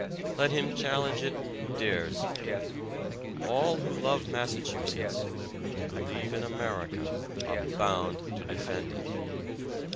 Let him challenge it who dares. All who love Massachusetts, who believe in America, are bound to defend it.